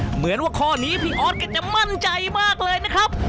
เหมือนว่าข้อนี้พี่ออสก็จะมั่นใจมากเลยนะครับ